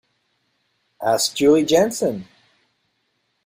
Ask Julie Jensen.